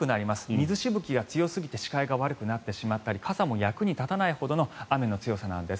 水しぶきが強すぎて視界が悪くなってしまったり傘も役に立たないほどの雨の強さなんです。